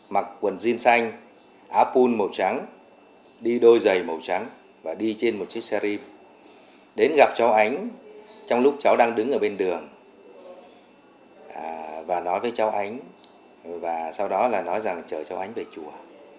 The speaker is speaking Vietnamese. mặc quần jean xanh áo pun màu trắng đi đôi giày màu trắng và đi trên một chiếc xe đến gặp cháu ánh trong lúc cháu đang đứng ở bên đường và nói với cháu ánh và sau đó là nói rằng là chở cháu ánh về chùa